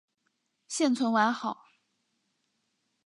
现存完好。